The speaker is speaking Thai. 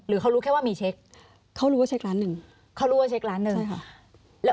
เขารู้แค่ว่ามีเช็คเขารู้ว่าเช็คล้านหนึ่งเขารู้ว่าเช็คล้านหนึ่งใช่ค่ะ